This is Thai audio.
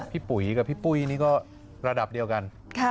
ปุ๋ยกับพี่ปุ้ยนี่ก็ระดับเดียวกัน